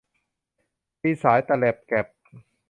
ตีสายตะแล็ปแก็ป